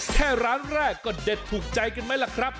แค่ร้านแรกก็เด็ดถูกใจกันไหมล่ะครับ